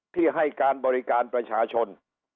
ที่ให้การบริการประชาชน